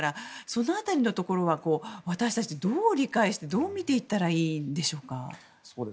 その辺りのところは私たちどう理解してどう見ていったらいいんでしょうか。